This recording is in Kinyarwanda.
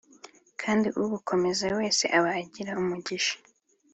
kandi ubukomeza wese aba agira umugisha